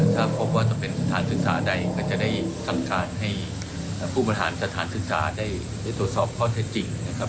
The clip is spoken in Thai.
ถ้าพบว่าจะเป็นสถานศึกษาใดก็จะได้สั่งการให้ผู้บริหารสถานศึกษาได้ตรวจสอบข้อเท็จจริงนะครับ